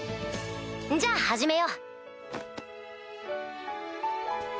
じゃあ始めよう。